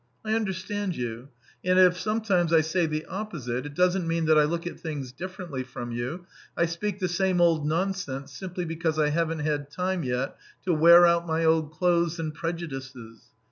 I understand you, and if sometimes I say the opposite, it doesn't mean that I look at things differently from you; I speak the same old nonsense simply because I haven't had time yet to wear out my old clothes and prejudices.